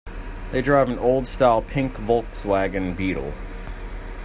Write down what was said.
They drive an old style pink Volkswagen Beetle.